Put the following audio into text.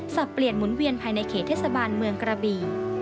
สับเปลี่ยนหมุนเวียนภายในเขตเทศบาลเมืองกระบี